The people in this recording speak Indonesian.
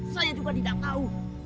saya juga tidak tahu